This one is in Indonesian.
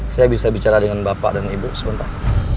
saya bisa bicara dengan bapak dan ibu sebentar